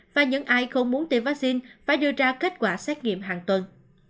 và những ai không muốn tiêm vaccine phải đưa ra kết quả xét nghiệm hàng tuần